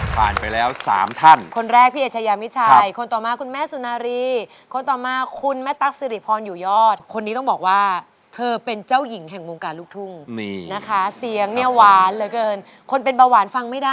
ผ่านไปแล้ว๓ท่านคนแรกพี่เอชยามิชัยคนต่อมาคุณแม่สุนารีคนต่อมาคุณแม่ตั๊กสิริพรอยู่ยอดคนนี้ต้องบอกว่าเธอเป็นเจ้าหญิงแห่งวงการลูกทุ่งนะคะเสียงเนี่ยหวานเหลือเกินคนเป็นเบาหวานฟังไม่ได้